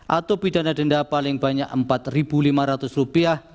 atau pidana denda paling banyak rp empat lima ratus